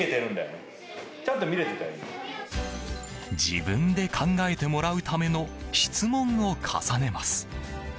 自分で考えてもらうための質問を重ねます。